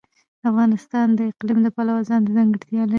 افغانستان د اقلیم د پلوه ځانته ځانګړتیا لري.